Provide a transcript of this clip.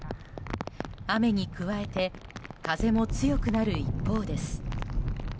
雨に加えて風も強くなる一方です。